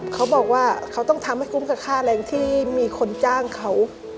เขาบอกว่าเขาต้องทำให้คุ้มกับค่าแรงที่มีคนจ้างเขา